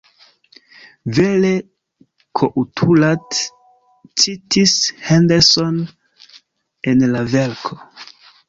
Vere Couturat citis Henderson en la verko.